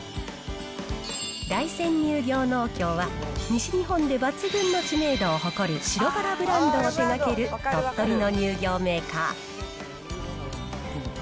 大山乳業農協は、西日本で抜群の知名度を誇る白バラブランドを手がける鳥取の乳業メーカー。